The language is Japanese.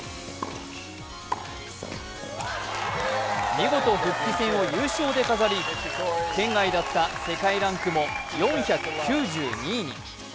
見事、復帰戦を優勝で飾り、圏外だった世界ランクも４９２位に。